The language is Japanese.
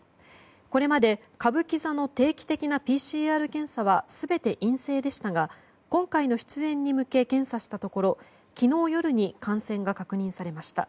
これまで歌舞伎座の定期的なＰＣＲ検査は全て陰性でしたが今回の出演に向け検査したところ昨日夜に感染が確認されました。